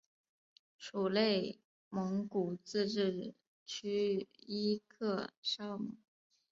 属内蒙古自治区伊克昭盟。